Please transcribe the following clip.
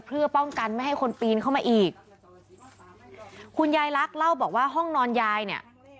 เพื่อป้องกันไม่ให้คนปีนเข้ามาอีกคุณยายลักษณ์เล่าบอกว่าห้องนอนยายเนี่ย